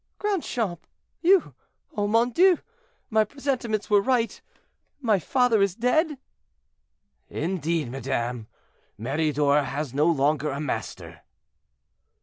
"Grandchamp! you! oh! mon Dieu! my presentiments were right; my father is dead?" "Indeed, madame, Meridor has no longer a master."